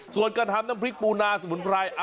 ส่วนการทำน้ำพริกปูนาสมุนไพร